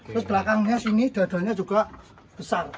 terus belakangnya sini dadanya juga besar